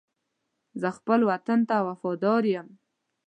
زه خپل وطن ته وفادار یم.